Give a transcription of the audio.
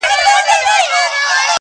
د زړو شرابو ډکي دوې پیالي دی،